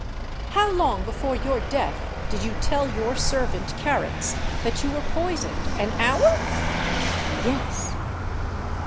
] "How long before your death did you tell your servant, Carrots, that you were poisoned? An hour?" "Yes."